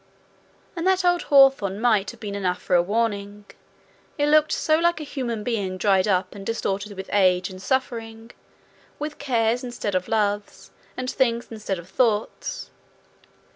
And that old hawthorn Might have been enough for a warning it looked so like a human being dried up and distorted with age and suffering, with cares instead of loves, and things instead of thoughts.